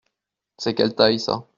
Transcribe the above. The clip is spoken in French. C’est quelle taille ça ?